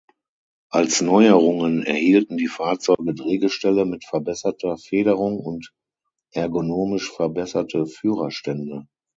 Als Neuerungen erhielten die Fahrzeuge Drehgestelle mit verbesserter Federung und ergonomisch verbesserte Führerstände.